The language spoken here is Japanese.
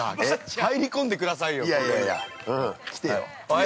入り込んでくださいよ。